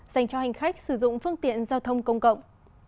dành cho hành khách sử dụng phương tiện giao thông công cộng